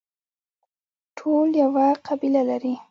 ټول یوه قبله لري